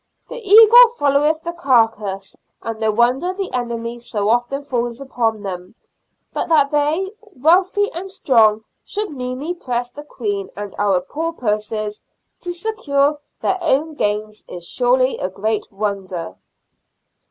" The eagle followeth the carcase, and no wonder the enemy so often falls upon them. But that they, wealthy and strong, should meanly press the Queen and our poor purses to secure their own gains is surely a great wonder."